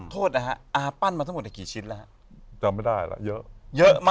โทษนะคะปั้นมาเท่ากี่ชิดแล้ว